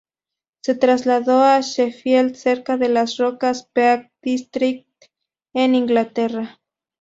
Se trasladó a Sheffield, cerca de las rocas Peak District, en Inglaterra.